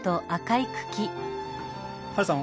ハルさん